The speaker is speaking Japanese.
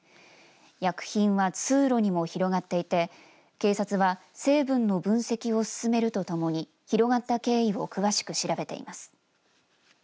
薬品は通路にも広がっていて警察は成分の分析を進めるとともに広がった経緯を詳しく調べています。